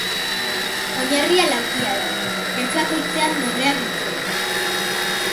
Oinarrian laukia da, ertz bakoitzean dorreak dituena.